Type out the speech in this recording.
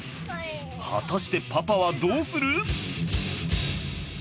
果たしてパパはどうする？